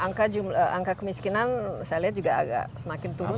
angka kemiskinan saya lihat juga agak semakin turun